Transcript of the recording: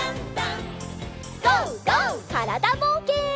からだぼうけん。